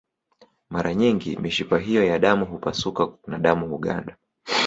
Mara nyingi mishipa hiyo ya damu hupasuka na damu huganda